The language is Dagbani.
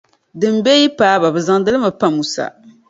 Din be yi paai ba, bɛ zaŋdi li mi m-pa Musa.